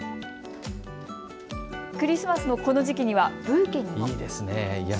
クリスマスのこの時期にはブーケにも。